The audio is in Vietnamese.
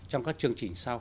trong các chương trình sau